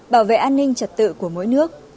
bảo vệ an ninh trật tự của mỗi nước